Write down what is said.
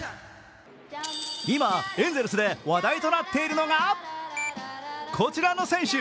今、エンゼルスで話題となっているのがこちらの選手。